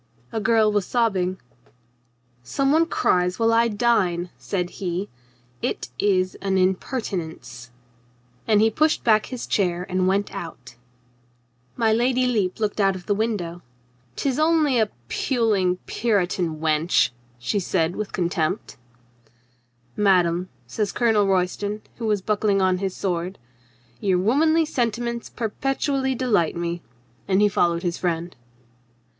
A girl was sobbing. "Some one cries while I dine," said he. "It is an JOAN NORMANDY 19 impertinence." And he pushed back his chair and went out My Lady Lepe looked out of the window :" 'Tis only a puling Puritan wench," she said with con tempt, "Madame," says Colonel Royston, who was buck ling on his sword, "your womanly sentiments per petually delight me," and he followed his friend.